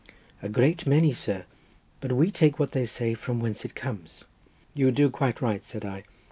"A great many, sir, but we take what they say from whence it comes." "You do quite right," said I.